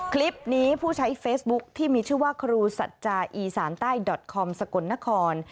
คลิปนี้ผู้ใช้เฟซบุ๊คที่มีชื่อว่าครูสัจจาอีสานใต้ดอตคอมสกลนคร